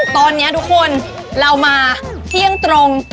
ตอนนี้เรามาเที่ยงตรง